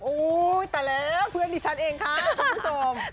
ตายแล้วเพื่อนดิฉันเองค่ะคุณผู้ชม